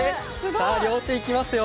両手いきますよ。